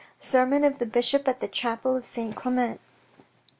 Sermon oj the Bishop at the Chapel of Saint Clement.